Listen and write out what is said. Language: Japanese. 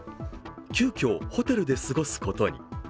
急きょ、ホテルで過ごすことに。